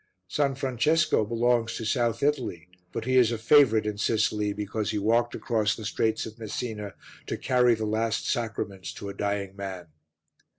S. Francesco belongs to South Italy, but he is a favourite in Sicily because he walked across the Straits of Messina to carry the Last Sacraments to a dying man.